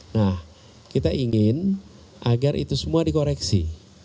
nah kita ingin agar itu semua dikoreksi